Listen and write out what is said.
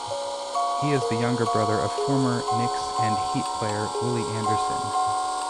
He is the younger brother of former Knicks and Heat player Willie Anderson.